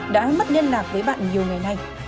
đã mất liên lạc với bạn nhiều ngày nay